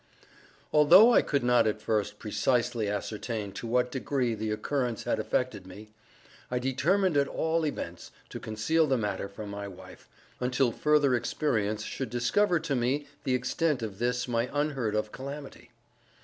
Although I could not at first precisely ascertain to what degree the occurrence had affected me, I determined at all events to conceal the matter from my wife, until further experience should discover to me the extent of this my unheard of calamity.